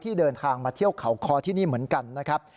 เดินทางมาเที่ยวเขาคอที่นี่เหมือนกันนะครับ